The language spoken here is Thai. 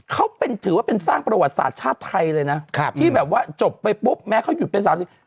เขาเป็นถือว่าเป็นสร้างประวัติศาสตร์ชาติไทยเลยนะครับที่แบบว่าจบไปปุ๊บแม้เขาหยุดเป็นสามสิบ